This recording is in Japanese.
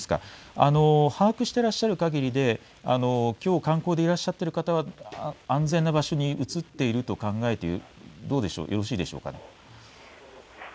把握していらっしゃるかぎりできょう観光でいらっしゃっている方は安全な場所に移っていると考えてよろしいでしょうか。